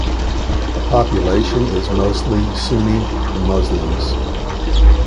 The population is mostly Sunni Muslims.